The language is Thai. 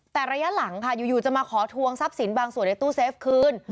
แต่ระยะหลังค่ะอยู่จะมาขอทวงทรัพย์สินบางส่วนในตู้เซฟคืน